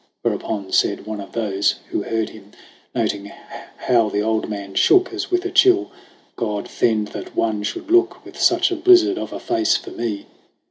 Whereupon said one of those Who heard him, noting how the old man shook As with a chill : "God fend that one should look With such a blizzard of a face for me